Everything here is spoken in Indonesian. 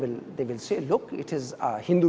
lihat ini adalah area kebanyakan hindu